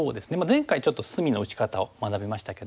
前回ちょっと隅の打ち方を学びましたけども。